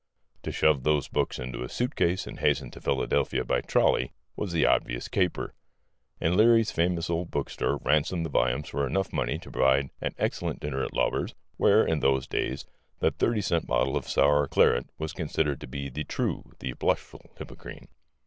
To shove those books into a suitcase and hasten to Philadelphia by trolley was the obvious caper; and Leary's famous old bookstore ransomed the volumes for enough money to provide an excellent dinner at Lauber's, where, in those days, the thirty cent bottle of sour claret was considered the true, the blushful Hippocrene.